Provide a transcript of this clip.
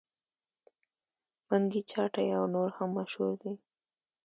منګي چاټۍ او نور هم مشهور دي.